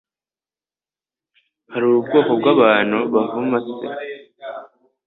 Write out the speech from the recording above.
Hari ubwoko bw’abantu buvuma se